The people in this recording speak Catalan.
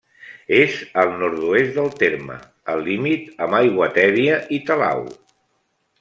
És al nord-oest del terme, al límit amb Aiguatèbia i Talau.